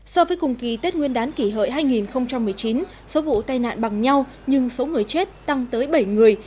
so với cùng kỳ tết nguyên đán kỷ hợi hai nghìn một mươi chín số vụ tai nạn bằng nhau nhưng số người chết tăng tới bảy người